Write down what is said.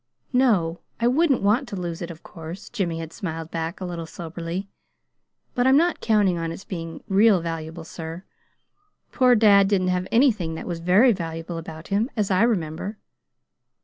"No, I wouldn't want to lose it, of course," Jimmy had smiled back, a little soberly. "But I'm not counting on its being real valuable, sir. Poor dad didn't have anything that was very valuable about him, as I remember."